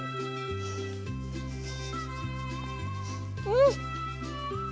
うん！